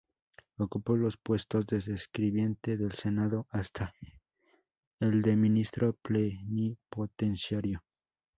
Ocupó los puestos desde escribiente del Senado hasta el de ministro plenipotenciario.